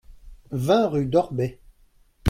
vingt rue d'Orbey